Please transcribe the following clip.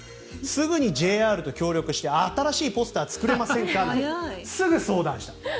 すぐにＪＲと協力して新しいポスター作りませんかとすぐ相談したと。